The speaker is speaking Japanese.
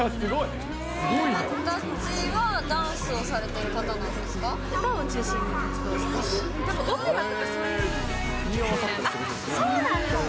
友達はダンスをされてる方なんですか？